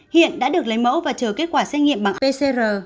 hiện đã được lấy mẫu và chờ kết quả xét nghiệm bằng pcr